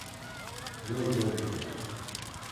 Йыл-йол-йолт